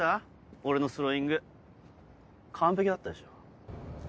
俺のスローイング完璧だったでしょ？